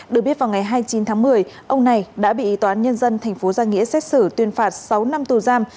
được biết vào ngày hai mươi chín tháng một mươi ông này đã bị tòa án nhân dân thành phố giang nghĩa xét xử tuyên phạt sáu năm tù giam